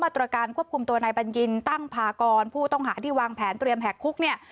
ตรการควบคุมตัวนายบัญญินตั้งพากรผู้ต้องหาที่วางแผนเตรียมแหกคุกเนี่ย